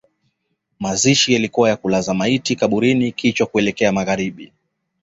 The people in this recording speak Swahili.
Mazishi yalikuwa ya kulaza maiti kaburini kichwa kuelekea magharibi